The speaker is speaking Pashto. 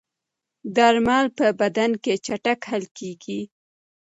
درمل د بدن کې چټک حل کېږي.